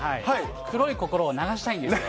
黒い心を流したいんですよ。